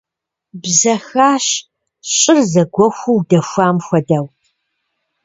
Бзэхащ, щӀыр зэгуэхуу дэхуам хуэдэу.